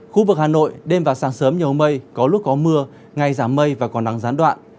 khu vực hà nội đêm và sáng sớm nhiều mây có lúc có mưa ngày giảm mây và có nắng gián đoạn